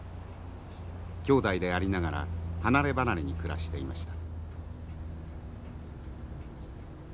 兄妹でありながら離れ離れに暮らしていました。